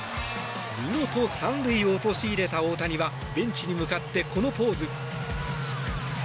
見事３塁を陥れた大谷はベンチに向かってこのポーズ。